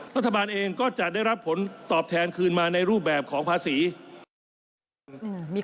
รัฐบาลเองก็จะได้รับผลตอบแทนคืนมาในรูปแบบของภาษี